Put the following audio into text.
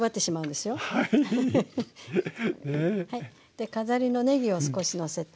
で飾りのねぎを少しのせて。